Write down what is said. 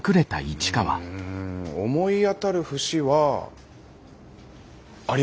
うん思い当たる節はあります。